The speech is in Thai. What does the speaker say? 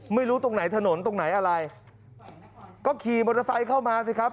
ไม่รู้ตรงไหนถนนตรงไหนอะไรก็ขี่มอเตอร์ไซค์เข้ามาสิครับ